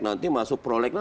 nanti masuk prolek